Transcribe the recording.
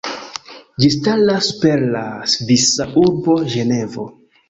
Ĝi staras super la svisa urbo Ĝenevo.